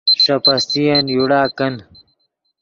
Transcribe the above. ݰے پستین یوڑا کن